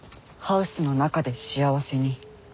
ハウスの中で幸せに？